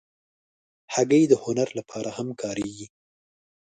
هګۍ د هنر لپاره هم کارېږي.